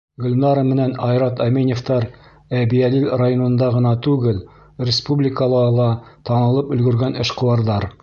Гөлнара менән Айрат Әминевтәр — Әбйәлил районында ғына түгел, республикала ла танылып өлгөргән эшҡыуарҙар.